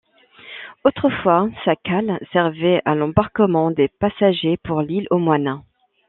Autrefois, sa cale servait à l'embarquement des passagers pour l'Île-aux-Moines.